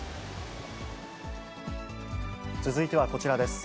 続いてはこちらです。